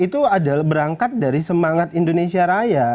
itu adalah berangkat dari semangat indonesia raya